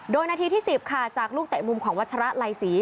โดยนาทีที่๑๐ค่ะจากลูกเตะมุมของวัชระไลศรี